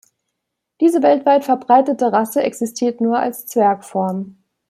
Diese weltweit verbreitete Rasse existiert nur als Zwergform.